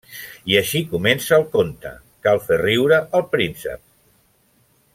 I així comença el conte, cal fer riure el príncep.